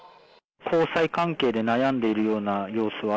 交際関係で悩んでいるような様子は？